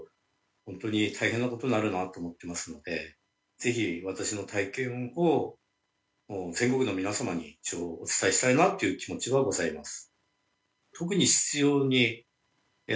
ぜひ私の体験を全国の皆様にお伝えしたいなという気持ちはございます。